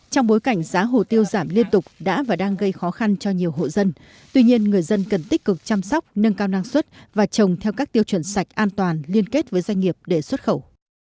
trong bối cảnh giá hồ tiêu giảm liên tục đã và đang gây khó khăn cho nhiều hộ dân tuy nhiên người dân cần tích cực chăm sóc nâng cao năng suất và trồng theo các tiêu chuẩn sạch an toàn liên kết với doanh nghiệp để xuất khẩu